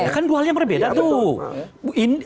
kan dua hal yang berbeda tuh